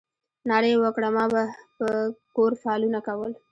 ناره یې وکړه ما به په کور فالونه کول.